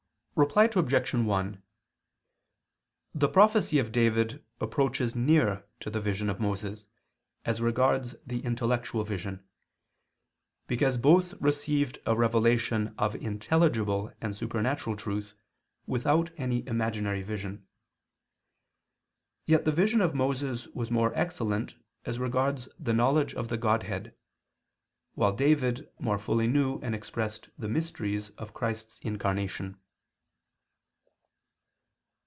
Reply Obj. 1: The prophecy of David approaches near to the vision of Moses, as regards the intellectual vision, because both received a revelation of intelligible and supernatural truth, without any imaginary vision. Yet the vision of Moses was more excellent as regards the knowledge of the Godhead; while David more fully knew and expressed the mysteries of Christ's incarnation.